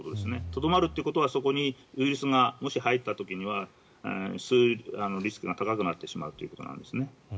とどまるということはそこにウイルスがもし入った時には吸うリスクが高くなってしまうということなんですね。